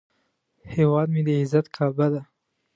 هیواد مې د عزت کعبه ده